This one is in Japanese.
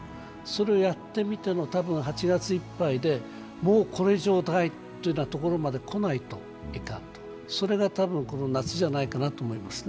それをやってみての多分８月いっぱいでもうこれ以上ないというところまでこないと、それが多分この夏じゃないかなと思います。